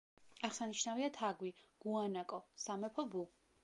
აღსანიშნავია თაგვი, გუანაკო, სამეფო ბუ.